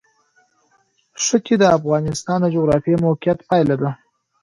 ښتې د افغانستان د جغرافیایي موقیعت پایله ده.